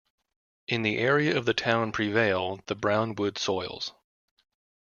In the area of the town Prevail the brown wood soils.